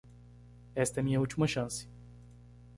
Esta é minha última chance.